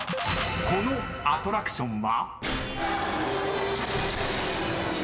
［このアトラクションは？］